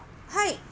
はい。